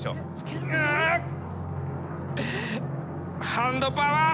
ハンドパワー。